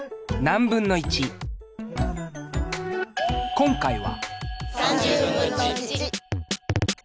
今回は。